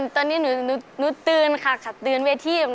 ตอนนี่หนูหนูตืนค่ะตืนเวที่